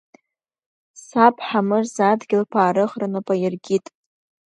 Саб, Ҳамырза адгьыл қуаарыхра нап аиркит.